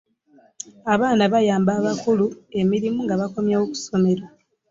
Abaana bayamba abakulu n'emirimu nga bakomyewo ku ssomero.